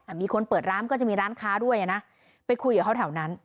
มีคนเปิดร้านก็จะมีร้านค้าด้วยอ่ะนะไปคุยกับเขาแถวนั้น